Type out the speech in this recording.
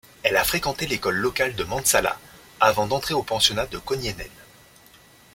Elle a fréquenté l'école locale de Mäntsälä avant d'entrer au pensionnat de Kauniainen.